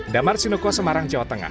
damar sinuko semarang jawa tengah